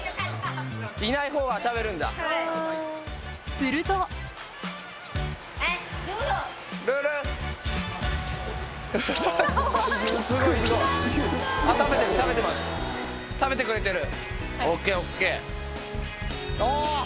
すると食べてくれてる。